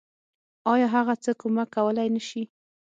آيا هغه څه کمک کولی نشي.